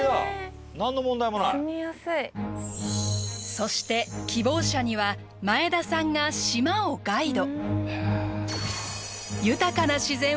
そして希望者には前田さんが島をガイド。